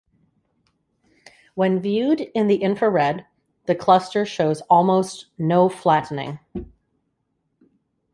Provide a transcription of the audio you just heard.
When viewed in the infrared, the cluster shows almost no flattening.